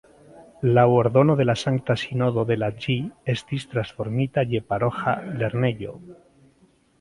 Laŭ ordono de la Sankta Sinodo de la ĝi estis transformita je paroĥa lernejo.